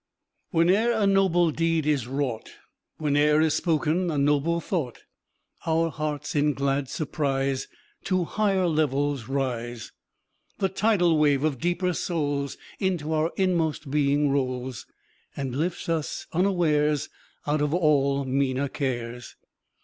Whene'er a noble deed is wrought, Whene'er is spoken a noble thought, Our hearts, in glad surprise, To higher levels rise. The tidal wave of deeper souls Into our inmost being rolls, And lifts us unawares Out of all meaner cares.